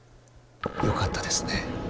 よかったですね。